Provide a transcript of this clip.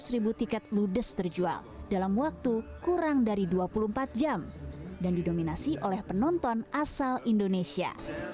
seratus ribu tiket ludes terjual dalam waktu kurang dari dua puluh empat jam dan didominasi oleh penonton asal indonesia